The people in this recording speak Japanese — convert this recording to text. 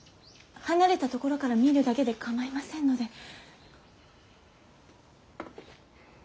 離れた所から見るだけで構いませんので。